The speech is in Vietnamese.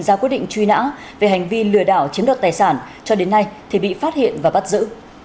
ra quyết định truy nã về hành vi lừa đảo chiếm đoạt tài sản cho đến nay thì bị phát hiện và bắt giữ